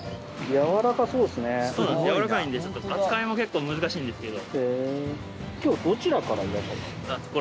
やわらかいんで扱いも結構難しいんですけど。